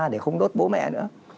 để không đốt bố mẹ nữa